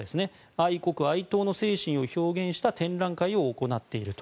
愛国・愛党の精神を表現した展覧会を行っていると。